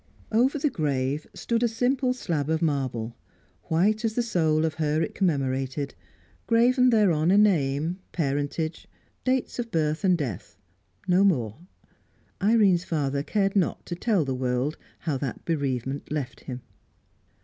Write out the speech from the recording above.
Over the grave stood a simple slab of marble, white as the soul of her it commemorated, graven thereon a name, parentage, dates of birth and death no more. Irene's father cared not to tell the world how that bereavement left him.